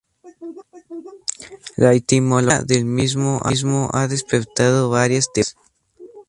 La etimología del mismo ha despertado varias teorías.